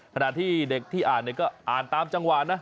ขณะที่เด็กที่อ่านก็อ่านตามจังหวะนะ